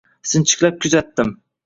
Sinchiklab kuzatdim